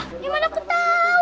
gimana aku tahu